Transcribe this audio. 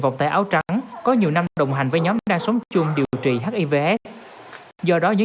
vòng tay áo trắng có nhiều năm đồng hành với nhóm đang sống chung điều trị hivs do đó